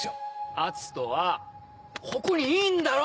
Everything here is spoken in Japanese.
篤斗はここにいんだろ！